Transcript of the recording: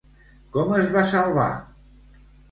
Com es va salvar?